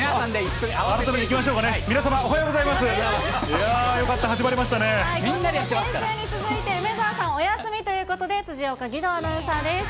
先週に続いて梅澤さん、お休みということで、辻岡義堂アナウンサーです。